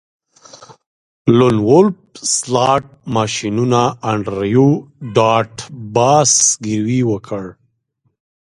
لون وولف سلاټ ماشینونه انډریو ډاټ باس زګیروی وکړ